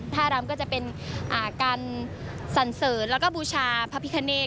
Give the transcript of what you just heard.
รำก็จะเป็นการสั่นเสริญแล้วก็บูชาพระพิคเนต